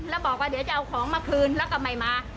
แล้วบอกว่าเดี๋ยวจะเอาของมาคืนแล้วก็ไม่มา